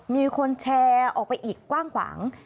มีคนแชร์ออกไปอีกกว้างขวาง